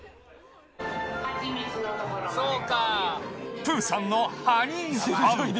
プーさんのハニーハント。